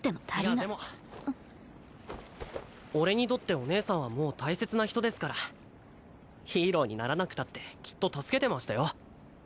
いやでも俺にとっておねえさんはもう大切な人ですからヒーローにならなくたってきっと助けてましたよ。